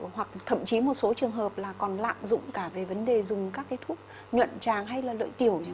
hoặc thậm chí một số trường hợp là còn lạm dụng cả về vấn đề dùng các cái thuốc nhuận tràng hay là lợi tiểu